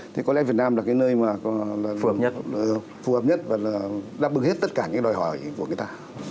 thì có lẽ việt nam là nơi phù hợp nhất và đáp ứng hết tất cả đòi hỏi của người ta